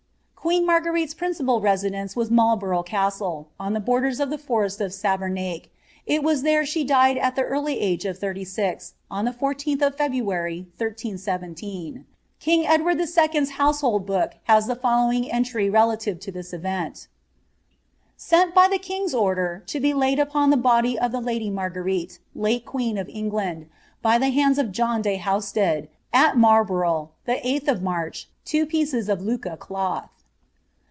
Qrieeo Marguerite's principal residence was Marlborough Casdl^M the borders of the forest of Saveroake ; it was there she died at tJH early age of ihirty «ix, on the 14th of February, 1317. King Gdavri II. 's household book has the following entry relative to this evnit "Sari by the King's order, to be laid upon the body of the laily Mai){wnto late queen of England, by the hands of John de Hauled, at Msd borougli, the Slh of March, two pieces of Lucca cloth."'